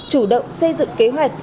chủ động xây dựng kế hoạch